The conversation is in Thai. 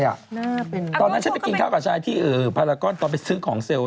น่าเป็นตอนนั้นฉันไปกินข้าวกับชายที่พลาคตพอไปซื้อของเซลล์